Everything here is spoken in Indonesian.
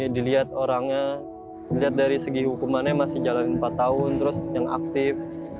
dilihat orangnya dilihat dari segi hukumannya masih jalan empat tahun terus yang aktif